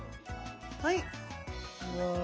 はい。